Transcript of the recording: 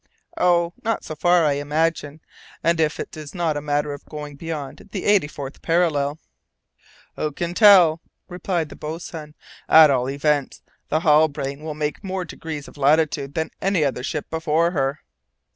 "Oh! not so far, I imagine, and if it is not a matter of going beyond the eighty fourth parallel " "Who can tell," replied the boatswain, "at all events the Halbrane will make more degrees of latitude than any other ship before her."